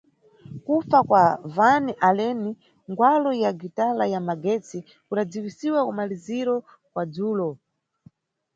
Kufa kwa Van Halen, ngwalu ya gitala ya magetsi, kudadziwisiwa kumaliziro kwa dzulo.